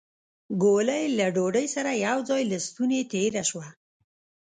ګولۍ له ډوډۍ سره يو ځای له ستونې تېره شوه.